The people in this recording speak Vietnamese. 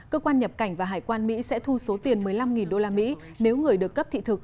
cơ quan nhập cảnh và hải quan mỹ sẽ thu số tiền một mươi năm usd nếu người được cấp thị thực